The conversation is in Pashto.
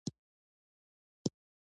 جلګه د افغانستان په هره برخه کې موندل کېږي.